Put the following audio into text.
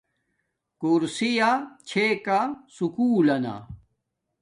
کورسیا چھے کا سکُول لنا